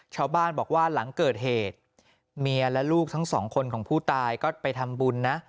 ชาวบ้านบอกว่าหลังเกิดเหตุเมียและลูกทั้งสองคนของผู้ตายก็ไปทำบุญนะ